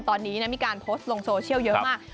ตอนนี้มีการโพสต์ลงโซเชียลเยอะมาก